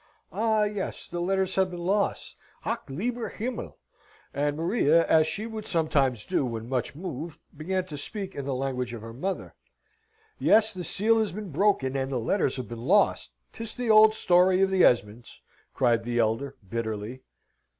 "Ah, yes! the letters have been lost ach lieber Himmel!" And Maria, as she would sometimes do, when much moved, began to speak in the language of her mother. "Yes! the seal has been broken, and the letters have been lost, 'tis the old story of the Esmonds," cried the elder, bitterly.